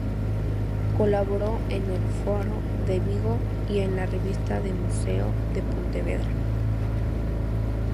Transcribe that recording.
Colaboró en el "Faro de Vigo" y en la revista del Museo de Pontevedra.